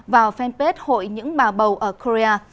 vào fanpage hội những bà bầu ở korea